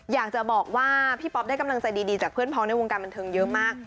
อยากจะบอกว่าพี่ป๊อปได้กำลังใจดีจากเพื่อนพ้องในวงการบันเทิงเยอะมาก